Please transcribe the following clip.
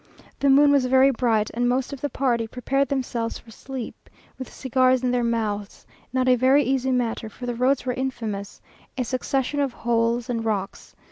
The moon was very bright, and most of the party prepared themselves for sleep with cigars in their mouths; not a very easy matter, for the roads were infamous, a succession of holes and rocks.